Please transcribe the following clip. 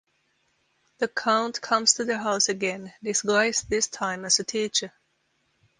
The Count comes to the house again, disguised this time as a teacher.